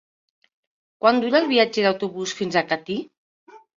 Quant dura el viatge en autobús fins a Catí?